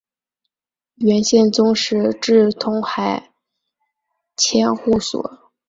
元宪宗时置通海千户所。